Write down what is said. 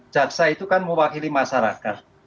jaksa itu kan mewakili masyarakat